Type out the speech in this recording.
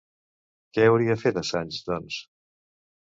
Què hauria fet Assange, doncs?